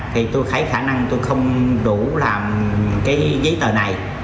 thì tôi thấy khả năng tôi không đủ làm cái giấy tờ này